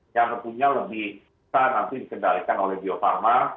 yang tentunya lebih bisa nanti dikendalikan oleh bio farma